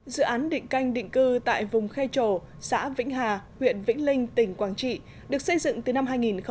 dự án định canh định cư tại vùng khe trổ xã vĩnh hà huyện vĩnh linh tỉnh quảng trị được xây dựng từ năm hai nghìn một mươi